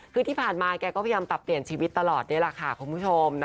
คือที่ผ่านมาไปแกก็พยายามตับเปลี่ยนชีวิตตลอดคุณผู้ชม